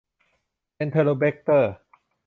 เอนเทอโรแบกเตอร์